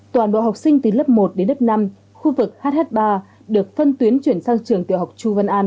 toàn bộ học sinh từ lớp một đến lớp năm khu vực hh ba được phân tuyến chuyển sang trường tiểu học chu văn an